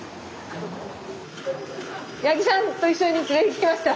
八木さんと一緒に連れてきました。